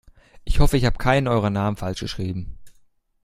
Ich hoffe, ich habe keinen eurer Namen falsch geschrieben.